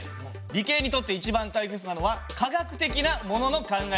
理系にとって一番大切なのは科学的なものの考え方です。